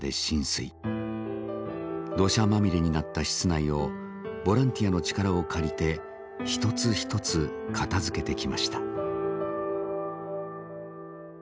土砂まみれになった室内をボランティアの力を借りて一つ一つ片づけてきました。